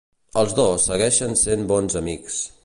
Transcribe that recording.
Els dos segueixen sent bons amics.